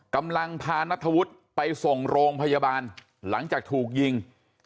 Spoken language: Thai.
กำลังพานัทธวุฒิไปส่งโรงพยาบาลหลังจากถูกยิง